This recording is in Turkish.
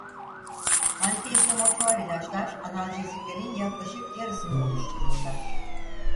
Antiinflamatuvar ilaçlar analjeziklerin yaklaşık yarısını oluştururlar.